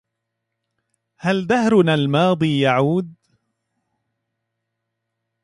هل دهرنا الماضي يعود